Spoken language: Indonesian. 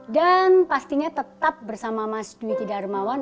dan pastinya tetap bersama mas dwi tidarmawan